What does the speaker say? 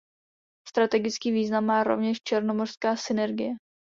Strategický význam má rovněž černomořská synergie.